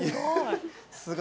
すごい。